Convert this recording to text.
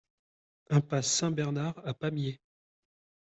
Impasse Saint-Bernard à Pamiers